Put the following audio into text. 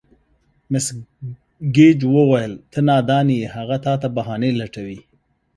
مېس ګېج وویل: ته نادان یې، هغه تا ته بهانې لټوي.